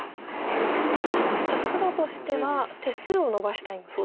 さあ黒としては手数をのばしたいんですよね。